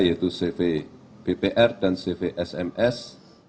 yaitu cvbpr dan cvsms